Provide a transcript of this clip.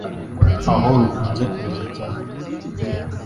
aho rukunze kuza cyane